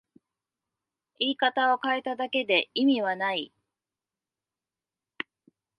言い方を変えただけで意味はない